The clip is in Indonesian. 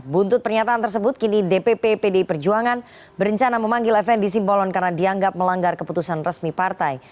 buntut pernyataan tersebut kini dpp pdi perjuangan berencana memanggil fnd simbolon karena dianggap melanggar keputusan resmi partai